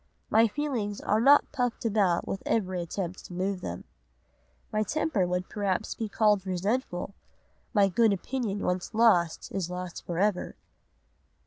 My feelings are not puffed about with every attempt to move them. My temper would perhaps be called resentful. My good opinion once lost is lost for ever.